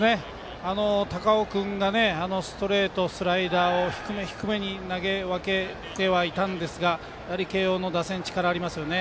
高尾君がストレート、スライダーを低め、低めに投げ分けてはいたんですが慶応の打線、力ありますよね。